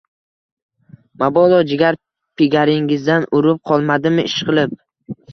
Mabodo jigar-pigaringizdan urib qolmadimi ishqilib